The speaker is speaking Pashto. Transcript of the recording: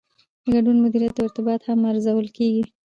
د ګډون مدیریت او ارتباطات هم ارزول کیږي.